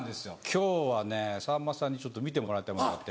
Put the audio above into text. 今日はねさんまさんにちょっと見てもらいたいものがあって。